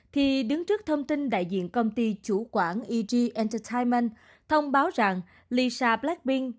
thì đứng trước thông tin đại diện công ty chủ quản eg entertainment thông báo rằng lisa blackburn